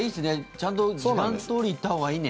ちゃんと時間どおり行ったほうがいいね。